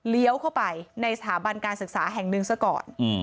เลี้ยวเข้าไปในสถาบันการศึกษาแห่งหนึ่งส่วนในก่อน